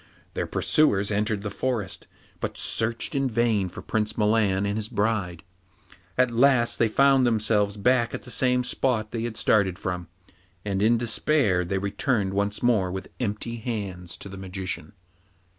Their pursuers entered the forest, but searched in vain for Prince Milan and his bride. At last they found themselves back at the same spot they had started from, and in despair they returned once more with empty hands to the Magician.